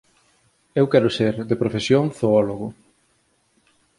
Eu quero ser, de profesión, zoólogo